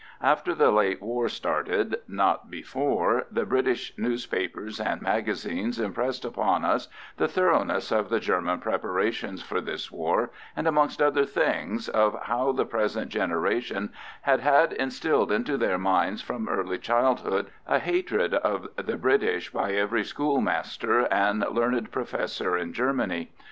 After the late war started, not before, the British newspapers and magazines impressed upon us the thoroughness of the German preparations for this war, and amongst other things, of how the present generation had had instilled into their minds from early childhood a hatred of the British by every schoolmaster and learned professor in Germany.